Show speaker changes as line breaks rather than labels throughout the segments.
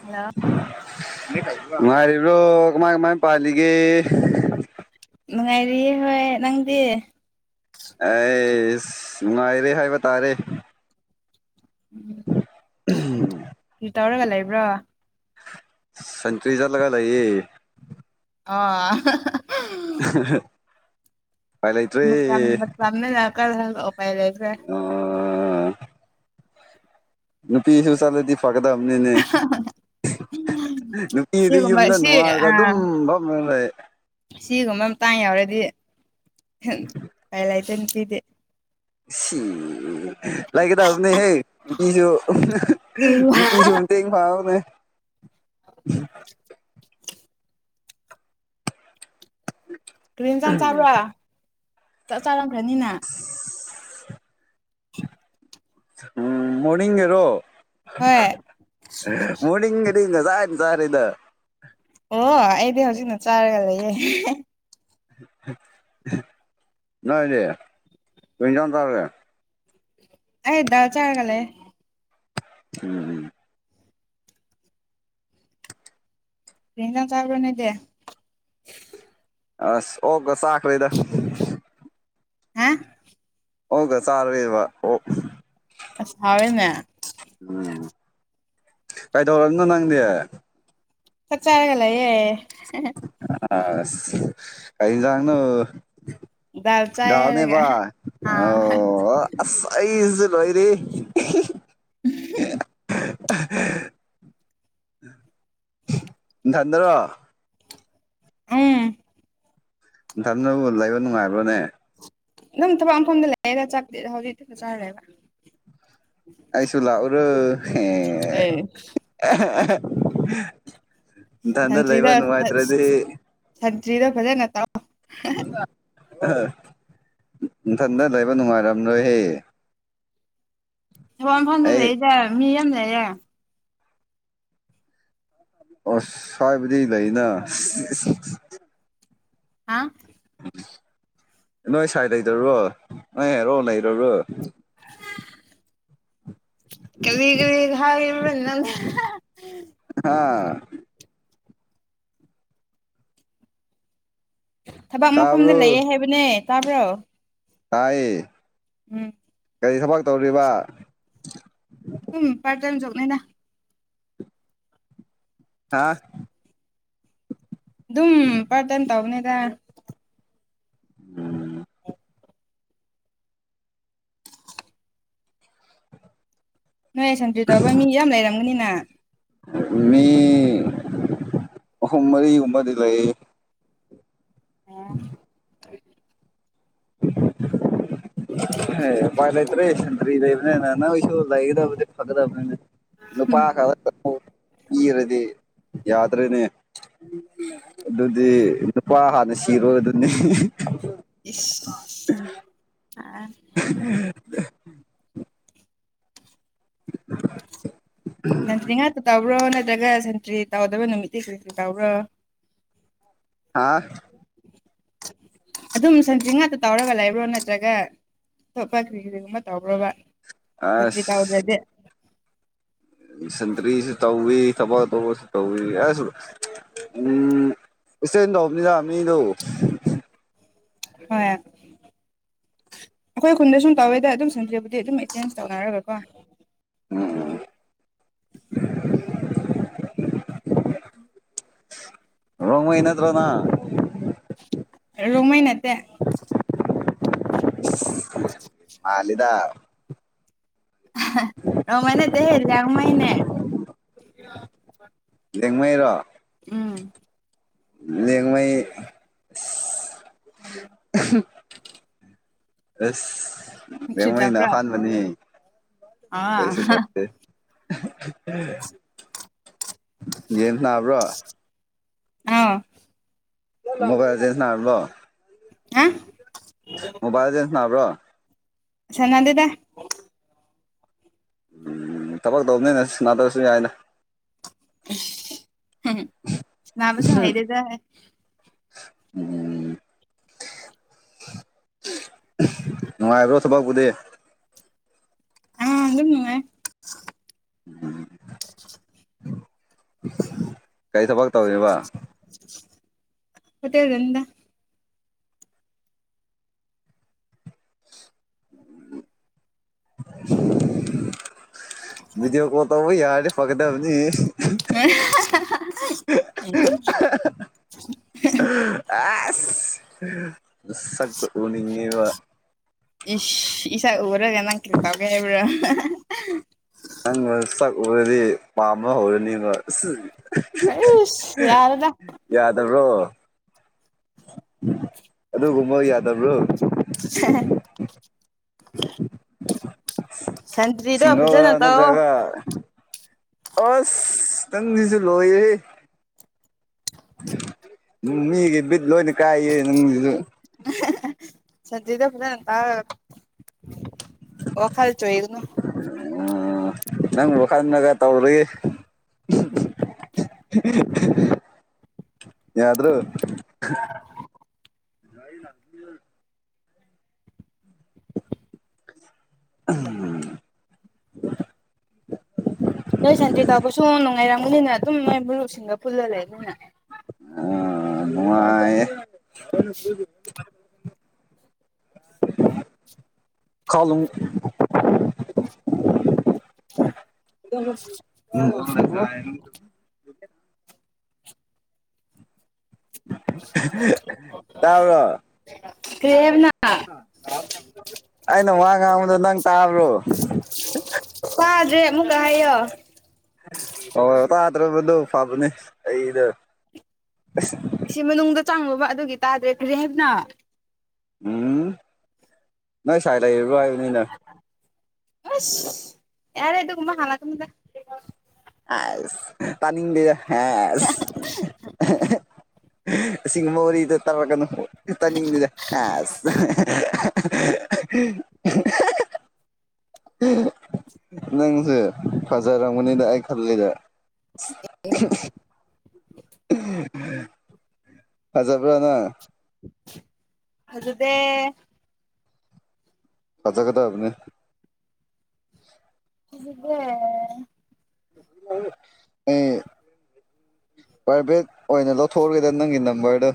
hello
ꯉꯔꯤꯕ꯭ꯔꯣ ꯀꯃꯥꯏ ꯀꯃꯥꯏ ꯄꯥꯜꯂꯤꯒꯦ
ꯅꯨꯡꯉꯥꯏꯔꯤꯌꯦ ꯍꯣꯏ ꯅꯪꯗꯤ
ꯑ ꯉꯥꯏꯔꯦ ꯍꯥꯏ ꯇꯥꯔꯦ ꯎꯝ
ꯀꯔꯤ ꯇꯧꯔꯒ ꯂꯩꯕ꯭ꯔꯣ
ꯁꯦꯟꯆꯨꯔꯤꯖꯔ ꯂꯒ ꯂꯌꯦ
ꯑ
ꯄꯥꯏ ꯂꯩ ꯏꯇꯦ
ꯀꯄꯥꯏ ꯂꯩ꯭ꯔꯦ
ꯅꯨꯄꯤꯁꯨ ꯆꯂꯦꯗꯤ ꯐꯒꯗ ꯑꯅꯤꯅꯦ ꯅꯨꯄꯤꯗꯤ
ꯁꯤꯒꯨꯝꯕ
ꯌꯨꯝꯗ
ꯁꯤ
ꯅꯨꯡꯉꯥꯏꯔꯒ
ꯑꯥ
ꯑꯗꯨꯝ ꯐꯝꯅ ꯂꯩ
ꯇꯥꯡ ꯌꯥꯎꯔꯗꯤ ꯀ ꯂꯩꯥꯏꯇ ꯅꯨꯡ ꯁꯤꯗꯤ
ꯁꯤ ꯂꯥꯏꯀꯗꯕꯅꯦꯍꯦ ꯅꯨꯄꯤꯁꯨ ꯅꯨꯄꯤꯁꯨ ꯃꯇꯦꯡ ꯐꯥꯡꯉꯕꯅꯦ ꯎꯝ
ꯀ ꯆ ꯆꯥꯔ꯭ꯔꯣ ꯆꯥꯛ ꯆꯥꯔꯝꯈ꯭ꯔꯅꯤꯅ
ꯎꯝ ꯃꯅꯤꯡꯔꯣ
ꯍꯣꯏ
ꯃꯅꯤꯡꯉꯅꯤꯉ ꯁꯥꯔꯖꯔꯗ
ꯑꯣ ꯑꯩꯗꯤ ꯍꯧꯖꯤꯛꯅ ꯆꯥꯔꯒ ꯂꯩꯌꯦ
ꯅꯣꯏꯗꯤ ꯊꯖꯝ ꯇꯧꯔꯒꯦ
ꯍꯥꯏꯗꯥꯎ ꯆꯥꯔꯒꯂꯦ
ꯎꯝ
ꯔꯔꯤꯖꯥꯟ ꯆꯥ꯭ꯔꯅꯦꯗ
ꯑꯁ ꯑꯣꯒꯁꯈꯔꯦꯗ
ꯍꯥ
ꯑꯣꯒ ꯆꯔꯦꯕ ꯑꯣ
ꯑꯁ ꯍꯥꯎꯋꯦꯅꯦ
ꯎꯝ ꯀꯩꯗꯧꯔꯝꯅꯣ ꯅꯪꯅꯦ
ꯆꯠꯆꯥ ꯍꯥꯏꯒꯂꯌꯦꯦ
ꯑ ꯀꯩꯅꯖꯥꯡꯅ
ꯗꯥꯜ ꯆꯥꯏ ꯍꯥꯏꯔꯒ
ꯅꯦꯕ
ꯑꯥ
ꯑꯣ ꯑ ꯂꯣꯏꯔꯤꯦ
[unintelligible]
ꯊꯟꯗꯔꯣ
ꯎꯝ
ꯏꯊꯅꯕꯨ ꯂꯩꯕ ꯅꯨꯡꯉꯥꯏꯕ꯭ꯔꯣꯅꯦ
ꯑꯗꯨꯝ ꯊꯕꯛꯈꯐꯝꯗ ꯂꯩꯔꯒ ꯆꯦꯗ ꯍꯧꯖꯤꯛꯇꯤ ꯆꯥꯔꯣꯏꯕ
ꯑꯩꯁꯨꯨꯂ ꯑꯣꯔ ꯍ
ꯑꯦ
ꯏꯊꯟꯗ ꯂꯩꯕ ꯅꯨꯡꯉꯥꯏꯇ꯭ꯔꯗꯤ
ꯆ꯭ꯔꯤꯗ ꯐꯖꯦ ꯅꯠꯇ
ꯏꯊꯟꯗ ꯂꯩꯕ ꯅꯨꯡꯉꯥꯏꯔꯝ꯭ꯔꯣꯏꯍꯦ
ꯃꯐ ꯃꯐꯐꯝꯗꯨ ꯂꯩꯔꯤꯗ ꯃꯤ ꯌꯥꯝ ꯂꯩꯔꯦ
ꯑ ꯁ꯭ꯋꯥꯏꯕꯨꯗꯤ ꯂꯩꯅ
ꯑ
ꯎ ꯅꯣꯏ ꯁꯥꯏ ꯂꯩꯇꯨꯔꯣ ꯅ ꯍꯥꯏꯔꯛꯑꯣ ꯂꯩꯔꯨꯔꯣ
ꯀꯂꯒꯒ ꯍꯥꯏ ꯏꯕꯅꯤ ꯅ
ꯑꯥ
ꯊꯕꯛ ꯃꯐꯝꯗ
ꯇꯥꯕ꯭ꯔꯣ
ꯂꯩꯌꯦ ꯍꯥꯏꯕꯅꯦ ꯇꯥꯕ꯭ꯔꯣ
ꯇꯌꯦꯌꯦ
ꯎꯝ
ꯀꯔꯤ ꯊꯕꯛ ꯇꯧꯔꯤꯕ
ꯎꯝ ꯄꯔ ꯇꯥꯏꯝ ꯆꯧꯅꯅ
ꯍꯥꯥ
ꯑꯗꯨꯝ ꯄꯔꯗꯟ ꯇꯧꯅꯤꯗ
ꯎꯝ
ꯅꯣꯏ ꯁꯟꯇ꯭ꯔꯤ ꯇꯧꯕ ꯃꯤ ꯌꯥꯝ ꯂꯩꯔꯝꯒꯅꯤꯅ
ꯃꯤ ꯎꯃꯔꯤ ꯎꯃꯔꯤ ꯂꯩ
ꯑꯝ
ꯍ ꯄꯥꯏꯂ ꯠꯇꯔꯦ ꯁꯟꯗꯔꯤ ꯂꯩ ꯅꯅ ꯅꯁꯨ ꯂ ꯂꯩꯒꯗꯕ ꯆꯩ ꯐꯛꯗ ꯐꯅꯅ ꯅꯨꯄꯥ ꯈ ꯄꯤꯔꯗꯤ ꯌꯥꯗ꯭ꯔꯦꯅꯦ ꯑꯗꯨꯗꯤ ꯅꯨꯄꯥ ꯍꯥꯟꯅ ꯁꯤꯤꯔꯣ ꯑꯗꯨꯅꯤ
ꯏꯁ ꯑ
[unintelligible] [unintelligible]
ꯁꯟꯇ꯭ꯔꯤ ꯉꯥꯛꯇ ꯇꯧꯕ꯭ꯔꯣ ꯅꯠꯇ꯭ꯔꯒ ꯁꯟꯇ꯭ꯔꯤ ꯇꯧꯗꯕ ꯅꯨꯃꯤꯠꯇꯤ ꯀꯩꯁꯨ ꯇꯧꯕ꯭ꯔꯣ
ꯍꯥꯥ
ꯑꯗꯨꯝ ꯁꯟꯖꯤ ꯉꯥꯛꯇ ꯇꯧꯔꯒ ꯂꯩꯕ꯭ꯔꯣ ꯅꯠꯇ꯭ꯔꯒ ꯑꯇꯣꯞꯄ ꯀꯔꯤ ꯀꯔꯤꯒꯨꯝꯕ ꯇꯧꯕ꯭ꯔꯣꯕ ꯁ ꯀꯥꯎꯗ꯭ꯔꯗꯦ
ꯁꯇ꯭ꯔꯤꯁꯨ ꯆꯧꯕꯤ ꯊꯕꯥ ꯇꯧꯁꯨ ꯆꯧꯕꯤ ꯑꯁꯨ ꯎꯝ ꯏꯆꯗ ꯍꯕꯅꯤꯗ ꯑꯗꯣ
ꯍ ꯑꯩꯈꯣꯏ ꯈꯨꯟꯗꯁꯨ ꯇꯧꯋꯦꯗ ꯑꯗꯨꯝ ꯁꯟꯗꯦꯕꯨꯗꯤ ꯑꯗꯨꯝ ꯑꯦꯛꯆꯦꯟꯖ ꯇꯧꯅꯔꯒ ꯀꯣ
ꯎꯝ ꯔꯣꯡꯃꯩ ꯅꯠꯇꯔꯣꯅ
ꯔꯣꯃꯩ ꯅꯦ
ꯃꯥꯂꯤꯗ
ꯔꯣꯡꯃꯩ ꯅꯠꯇꯦ ꯍꯦ ꯂꯥꯡꯃꯩꯅꯦ
ꯌꯦꯡꯃꯩꯔꯣ
ꯎꯝ
ꯂꯦꯡꯃꯥꯥꯩ ꯑꯁ
ꯁꯟꯇ꯭ꯔꯤ
ꯂꯦꯡꯃꯩꯅ
ꯇꯧꯕ꯭ꯔꯥ
ꯑꯍꯥꯟꯕꯅꯤ ꯀꯩꯁꯨ
ꯑꯥ
ꯇꯞꯇꯦ ꯌꯦꯟꯁ ꯅꯕ꯭ꯔꯣ
ꯑꯥ
ꯃꯒꯥ ꯆꯁꯅꯂꯣ [inaudible]
ꯍꯥ
[unintelligible]
ꯁꯟꯅꯗꯦꯗ
ꯎꯝ ꯊꯕꯛ ꯇꯧꯕꯅꯤꯅ ꯅꯥꯗꯔꯁꯨ ꯌꯥꯏꯅ
ꯉꯥꯡꯕꯁꯨꯨ ꯍꯩꯔꯦꯗ
ꯎꯝ [unintelligible] ꯅꯨꯡꯉꯥꯏꯕ꯭ꯔꯣ ꯊꯕꯥ ꯀꯗ
ꯑꯥ ꯑꯗꯨꯝ ꯅꯨꯡꯉꯥꯢ
ꯎꯝ ꯀꯔꯤ ꯊꯕꯛ ꯇꯧꯔꯤꯕ
ꯍꯣꯇꯦꯜꯗꯅꯤꯗ
[inaudible] ꯃꯤꯗꯤꯑꯣ ꯀꯣꯜꯇꯧꯕ ꯌꯥꯔꯗꯤ ꯐꯒꯗꯕꯅꯤ
[unintelligible]
ꯑ ꯁꯛꯇꯣ ꯎꯅꯤꯡꯉꯦꯕ
ꯏꯁꯥꯛ ꯎꯔꯒ ꯅꯪ ꯀꯔꯤ ꯇꯧꯒꯦꯕ꯭ꯔꯣ
ꯅꯪ ꯁꯛꯎꯨꯔꯗꯤ ꯄꯥꯝꯕ ꯍꯧꯔꯅꯤꯕ
ꯏꯁ ꯌꯥꯔꯦꯗ
ꯌꯥꯗꯕ꯭ꯔꯣ ꯑꯗꯨꯒꯨꯝꯕ ꯌꯥꯗꯕ꯭ꯔꯣ
ꯁꯟꯇ꯭ꯔꯤꯗꯣ
ꯁꯤꯡꯒꯜꯔ
ꯐꯖꯅ ꯇꯧꯑꯣ
ꯅꯠꯇ꯭ꯔꯒ ꯑꯁ ꯇꯪꯁꯤꯂꯣꯏ ꯃꯤꯒꯤ ꯕꯤꯠ ꯂꯣꯏꯅ ꯀꯥꯏꯌꯦ ꯅꯪꯁꯤꯁꯨ
[inaudible] [unintelligible]
ꯎ ꯅꯪ ꯋꯥꯈꯜꯅꯒ ꯇꯧꯔꯤ ꯌꯥꯗ꯭ꯔꯣ ꯌꯥꯏ ꯂꯥꯛ ꯎꯝ
ꯅꯣꯏ ꯁꯟꯇꯔꯤ ꯇꯥꯕꯁꯨ ꯅꯨꯡꯉꯥꯏꯔꯝꯒꯅꯤꯅ ꯑꯗꯨꯝ ꯅꯣꯏ ꯃꯔꯨꯞꯁꯤꯡꯒ ꯄꯨꯜꯂꯂꯩ ꯑꯗꯨꯅ
ꯑ ꯅꯨꯉꯥꯏ ꯀꯥꯂꯨꯝ [inaudible] ꯇꯥꯕ꯭ꯔꯣ
ꯀꯔꯤ ꯍꯥꯢꯕꯅꯣ
ꯑꯩꯅ ꯋꯥ ꯉꯥꯡꯕꯗ ꯅꯪ ꯇꯥ꯭ꯔꯣ
ꯑꯗꯨꯦ ꯑꯃꯨꯛ ꯀꯌ
ꯍꯣꯏ ꯇꯥꯗ꯭ꯔꯕꯗꯣ ꯐꯕꯅꯦ ꯑꯩꯗ ꯑ
ꯑꯩ ꯃꯅꯨꯡꯗ ꯆꯥꯡꯉꯨꯕ ꯑꯗꯨꯒꯤ ꯇꯥꯗ꯭ꯔꯦ ꯐꯔꯦ ꯍꯥꯏꯞꯅ
ꯎꯝ ꯅꯣꯏ ꯁꯥꯏꯠ ꯂꯩꯔ ꯍꯥꯏꯕꯅꯤꯅ
ꯑꯁ ꯌꯥꯔꯦ ꯇꯃ ꯍꯂ ꯀꯗ
ꯑꯦꯁ ꯇꯥꯅꯤ ꯂꯩꯁ ꯁꯤꯡ ꯃꯔꯤꯗꯣ ꯇꯥꯔꯛꯀꯅꯨ ꯇꯥꯅꯤꯡꯗꯨꯗ ꯑꯁ [unintelligible] ꯅꯪꯁꯨ ꯐꯖꯥꯔꯝ ꯃꯅꯤꯗ ꯐꯜꯗ ꯍꯖꯥꯄꯅ
ꯑꯗꯨꯗ
ꯀꯆꯥ ꯀꯗ ꯍꯥꯏꯕꯅꯤ
ꯑꯗꯨꯗꯦ
ꯑ ꯄꯚꯠ ꯑꯣꯏꯅ ꯂꯧꯊꯣꯛꯎꯒꯦꯗ ꯅꯪꯒꯤ ꯅꯝꯕꯔꯗꯣ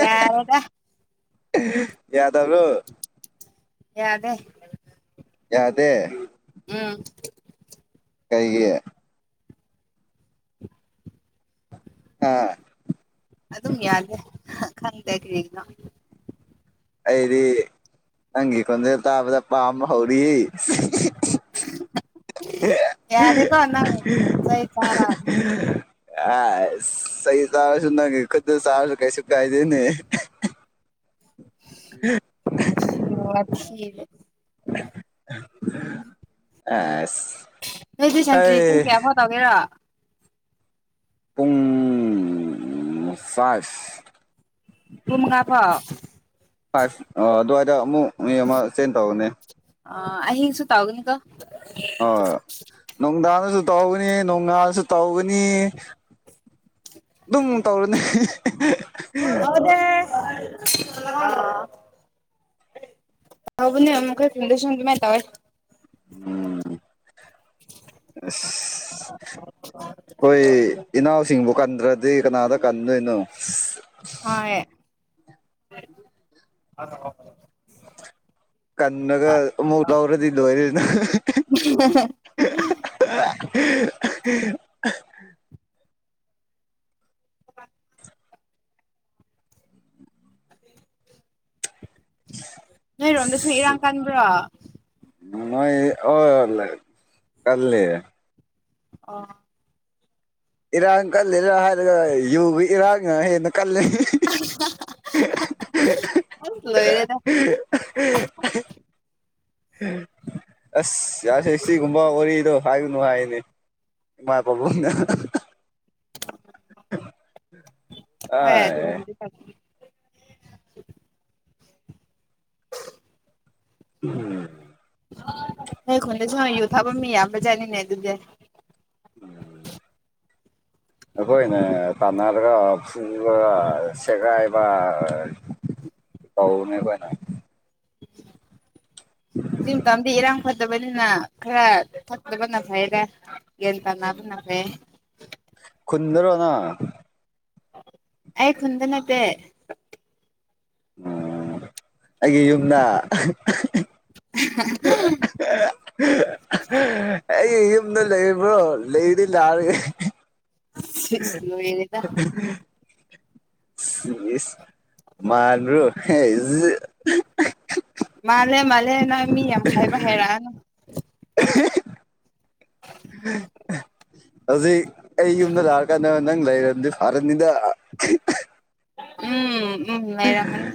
ꯌꯥꯔꯗꯥ
ꯌꯥꯗꯔ
ꯌꯥꯗꯦ
ꯌꯥꯗꯦ
ꯑꯥ
ꯀꯩꯒꯤ ꯑ
ꯑꯗꯨꯝ ꯌꯥꯂꯦ ꯈꯪꯗꯦ ꯀꯔꯤꯅ
ꯑꯩꯗꯤ ꯅꯪꯒꯤ ꯈꯣꯟꯖꯦꯜ ꯇꯥꯕꯗ ꯄꯥꯝꯕ ꯍꯧꯔꯤ
ꯌꯥꯔꯦ ꯀꯅ ꯆꯩ ꯇꯔꯥ
ꯑ ꯁꯍꯤ ꯆꯥꯔꯁꯨ ꯅꯪ ꯈꯨꯨꯗ ꯆꯥꯔꯁꯨ ꯀꯩꯁꯨꯨꯀꯥꯏꯗꯦꯅꯤ [unintelligible]
ꯁꯤ ꯁꯤ
ꯑ
ꯅꯣꯏꯗꯤ ꯁꯟꯇ꯭ꯔꯤ ꯄꯨꯡ ꯀꯌꯥꯐꯥꯎ ꯇꯧꯒꯦꯔꯣ
ꯄꯨꯡꯁꯥꯏ
ꯎꯉꯥꯄꯥꯎ
ꯐꯥꯏꯚ ꯑꯗꯨꯋꯥꯏꯗ ꯑꯃꯨꯛ ꯃꯤ ꯑꯃ ꯆꯦꯟ ꯇꯧꯅꯦ
ꯑ ꯍꯤꯡꯁꯨꯨ ꯇꯥꯎꯒꯅꯤꯒ
ꯍꯣꯏ ꯅꯨꯡꯗꯥꯡꯗꯁꯨ ꯇꯧꯒꯅꯤ ꯅꯣꯡꯉꯥꯜꯁꯨ ꯇꯧꯒꯅꯤ ꯑꯗꯨꯝ ꯇꯧꯔꯨꯅꯦ
[unintelligible] ꯍꯥꯎꯕꯨ ꯊꯗ ꯁ ꯃꯥꯏ ꯇ
ꯎꯝ ꯑꯩꯈꯣꯏ ꯏꯅꯥꯎꯁꯤꯡꯕꯨ ꯀꯟꯗ꯭ꯔꯗꯤ ꯀꯅꯥꯗ ꯀꯟꯗꯣꯏꯅꯣ
ꯑ
ꯀꯟꯅꯒ ꯃꯨꯗꯧꯔꯗꯤ ꯏꯗ ꯑꯣꯏꯅ
ꯐꯦ
ꯎ
ꯅꯣꯏꯔꯣꯝꯗꯁꯨ ꯏꯔꯥꯡ ꯀꯟꯕ꯭ꯔꯣ
ꯅ ꯑꯣ ꯀꯜꯂꯦ
ꯑ
ꯏꯔꯥꯡ ꯀꯜꯂꯤꯔ ꯍꯥꯏꯔꯒ ꯌꯨꯒꯤ ꯏꯔꯥꯡꯅ ꯍꯦꯟꯅ ꯀꯜꯂꯤ
ꯑ ꯂꯣꯏꯔꯦꯗ
ꯑꯁ ꯌꯥꯁꯦꯛꯁꯤ ꯀꯨꯝꯕꯥ ꯑꯣꯔꯤꯣ ꯍꯥꯏꯌꯨꯅꯨ ꯍꯥꯏꯅꯦ ꯏꯃꯥ ꯄꯥꯕꯨꯡꯅ
ꯃ
ꯑꯥꯏ
ꯑꯗꯨꯗꯤ
ꯎꯝ
ꯍ ꯈꯨꯣꯟꯗ ꯁ ꯌꯨ ꯊꯥꯐꯝ ꯃꯤ ꯌꯥꯝꯕꯖꯥꯠꯅꯤꯅꯦ ꯑꯗꯨꯗꯤ
ꯎꯝ ꯑꯩꯈꯣꯏꯅ ꯇꯥꯟꯅꯔꯒ ꯐꯨꯕ ꯁꯦꯒꯥꯏꯕ ꯍꯥꯎ ꯃ ꯀꯥꯏꯅ
ꯖꯤ ꯇꯝꯗꯔ ꯐꯠꯇꯕꯅꯤꯅ ꯈꯔ ꯐꯠꯇꯕꯅ ꯐꯩꯔꯦ ꯌꯦ ꯇꯅ ꯑꯗꯨ ꯅꯦ
ꯐꯨꯟꯗꯔꯣꯅ
ꯑꯩ ꯈꯨꯟꯗ ꯅꯠꯇꯦ
ꯑꯣ ꯑꯩꯒꯤ ꯌꯨꯝꯗ ꯑꯩ ꯌꯨꯝꯗ ꯂꯩ ꯍ꯭ꯔꯣ ꯂꯩꯗꯤ ꯂ ꯌꯥꯔꯒ
ꯂ ꯌꯦꯅꯤꯗ
ꯃꯥꯅꯣ
ꯃꯥꯜꯦ ꯃꯜꯦꯅ ꯃꯤ ꯌꯥꯝ ꯈꯥꯏꯕ ꯈꯦꯔꯥꯅ
ꯍꯧꯖꯤ ꯑꯩ ꯌꯨꯝꯗ ꯂꯥꯛꯑꯀꯥꯟꯗ ꯅꯪ ꯂꯩꯔꯝꯗꯤ ꯐꯔꯅꯤꯗ
ꯎꯝ ꯂꯩꯔꯝꯃꯅꯤ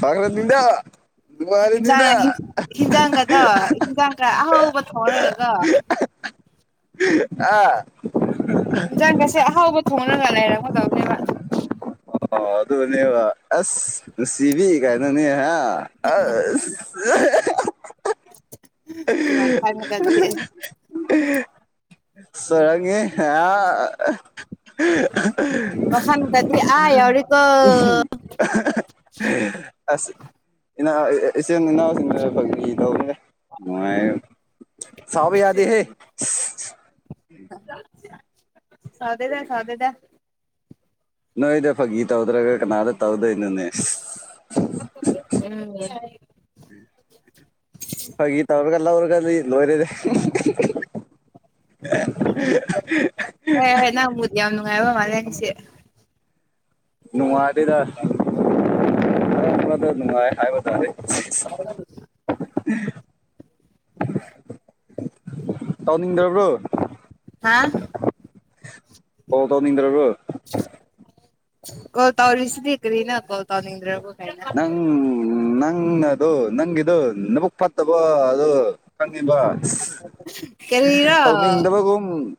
ꯐꯒ꯭ꯔꯗ
ꯟꯖꯥꯡ ꯍꯤꯟꯖꯥꯡꯒꯗꯣ ꯍꯤꯟꯖꯥꯡꯒ ꯑꯍꯥꯎꯧꯕ ꯊꯣꯡꯔꯔꯒ
ꯑꯥ
ꯏꯟꯁꯥꯡ ꯀꯁꯦ ꯑꯍꯥꯎꯕ ꯊꯣꯡꯉꯒ ꯂꯩꯔꯝꯒꯗꯕꯅꯦꯕ
ꯑꯣ ꯑꯗꯨꯅꯦꯕ ꯑꯁ ꯅꯨꯡꯁꯤꯕꯤ ꯀꯥꯏꯅꯣꯅꯦ ꯍꯥꯏ ꯑ
ꯁꯨ ꯑ ꯈꯔꯅꯒꯗ
ꯁꯔ ꯑ
ꯋꯥꯈꯜꯒꯗꯤ ꯑꯥ ꯌꯧꯔꯦꯀꯣ
ꯎꯝ [unintelligible] ꯑꯁ ꯏꯅꯥ ꯏꯆꯤꯟ ꯏꯅꯥꯎꯁꯤꯡꯅ ꯒ꯭ꯔꯤ ꯇꯧꯋꯦ ꯃꯥꯏ ꯁꯥꯎ ꯌꯥꯗ ꯍꯦ
ꯁꯥꯗꯦꯗ ꯁꯥꯗꯗ
ꯅꯣꯏꯗ ꯐꯥꯒꯤ ꯇꯧꯗ꯭ꯔꯒ ꯀꯅꯥꯗ ꯇꯧꯗꯣꯏꯅꯣꯅꯦ
ꯎꯝ
ꯂꯧꯎꯔꯀꯥꯟꯗꯤ ꯂꯣꯏꯔꯦꯗꯤ
ꯍ ꯍ ꯅ ꯍꯨ ꯌꯥꯝꯅꯨꯡꯉꯥꯏꯕ ꯃꯥꯂꯦꯅꯤꯁꯤ
ꯅꯨꯡꯉꯥꯏꯗꯗꯔꯗ ꯅꯨꯡꯉꯥꯏ ꯍꯥꯏꯕꯔꯦ
ꯍ
ꯇꯧꯅꯤꯡꯗ꯭ꯔꯕ꯭ꯔꯣ
ꯍꯥ
ꯑꯣꯣ ꯇꯧꯅꯤꯡꯗ꯭ꯔꯣꯣ
ꯀꯣ ꯇꯧꯔꯤꯁꯤꯗꯤ ꯀꯔꯤꯅ ꯀ ꯇꯅꯤꯡ꯭ꯔꯣꯒ ꯀꯂ
ꯑꯗꯨ ꯅꯪꯒꯤꯗꯣ ꯅꯕꯨꯛ ꯐꯠꯇꯕꯣ ꯑꯗꯨꯣ ꯈꯪꯉꯤꯕ
ꯀꯔꯤꯔꯣ
ꯑꯅꯤꯡꯗꯕꯒꯨꯝ